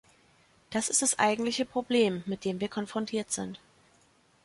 Das ist das eigentliche Problem, mit dem wir konfrontiert sind.